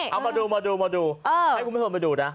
เอามาดูให้คุณไปส่งมาดูนะ